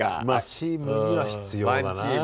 まあチームには必要だな。